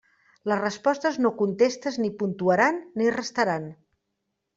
Les respostes no contestes ni puntuaran ni restaran.